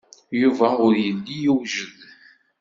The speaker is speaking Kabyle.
Yuba ur yelli yewjed.